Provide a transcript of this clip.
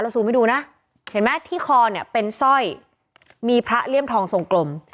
ซูมให้ดูนะเห็นไหมที่คอเนี่ยเป็นสร้อยมีพระเลี่ยมทองทรงกลม